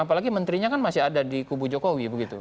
apalagi menterinya kan masih ada di kubu jokowi begitu